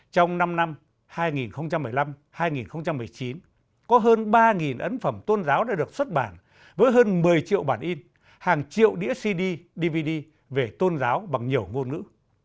trong năm năm hai nghìn một mươi năm hai nghìn một mươi chín có hơn ba ấn phẩm tôn giáo đã được xuất bản với hơn một mươi triệu bản in hàng triệu đĩa cd dvd về tôn giáo bằng nhiều ngôn ngữ